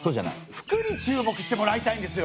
服に注目してもらいたいんですよ！